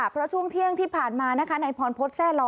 เพราะช่วงเที่ยงที่ผ่านมานะคะนายพรพฤษแซ่ล้อ